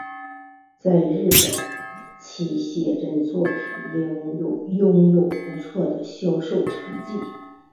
在日本其写真作品拥有不错的销售成绩。